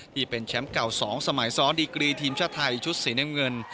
ที่เป็นแชมป์เก่า๒สมัย๒ดีกรีทีมชาตรไทยชุดศรีแน่มเงิน